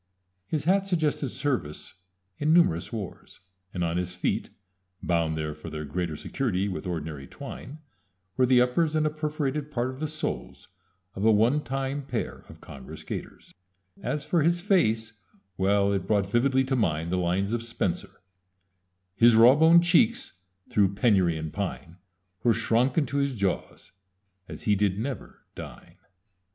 His hat suggested service in numerous wars, and on his feet, bound there for their greater security with ordinary twine, were the uppers and a perforated part of the soles of a one time pair of congress gaiters. As for his face well, it brought vividly to mind the lines of Spenser His rawbone cheekes, through penurie and pine, Were shronke into his jawes, as he did never dyne. [Illustration: In the last stages of poverty.